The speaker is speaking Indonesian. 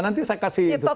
nanti saya kasih itu